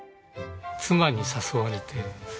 妻に誘われて。